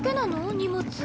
荷物。